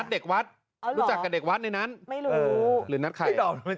ทางผู้ชมพอเห็นแบบนี้นะทางผู้ชมพอเห็นแบบนี้นะ